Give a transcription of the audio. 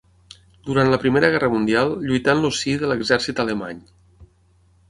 Durant la Primera Guerra Mundial lluità en el si de l'exèrcit alemany.